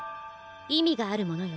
意味があるものよ。